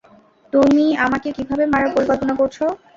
তুমি আমাকে কীভাবে মারার পরিকল্পনা করছ?